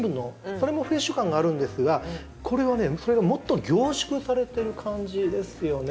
それもフレッシュ感があるんですがこれはねそれがもっと凝縮されてる感じですよね。